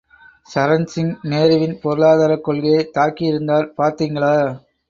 சரண் சிங், நேருவின் பொருளாதாரக் கொள்கையை தாக்கியிருந்தார் பார்த்திங்களா?